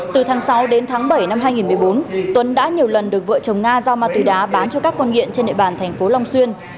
từ tháng sáu đến tháng bảy năm hai nghìn một mươi bốn tuấn đã nhiều lần được vợ chồng nga giao ma túy đá bán cho các con nghiện trên địa bàn thành phố long xuyên